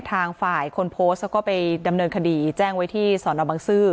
ทางฝ่ายคนโพสต์เขาก็ไปดำเนินคดีแจ้งไว้ที่สอนอบังซื้อ